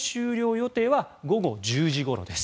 予定は午後１０時ごろです。